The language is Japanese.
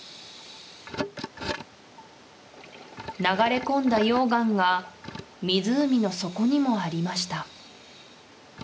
流れ込んだ溶岩が湖の底にもありました